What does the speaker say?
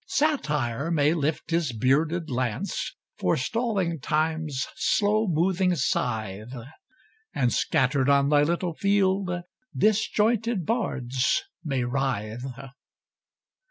Satire may lift his bearded lance, Forestalling Time's slow moving scythe, And, scattered on thy little field, Disjointed bards may writhe.